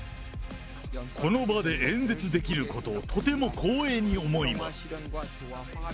この場で演説できることをとても光栄に思います。